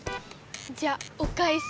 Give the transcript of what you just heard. じゃあおかえし。